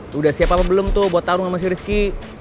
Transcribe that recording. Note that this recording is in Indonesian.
lo udah siap apa belum tuh buat taruh sama si rizky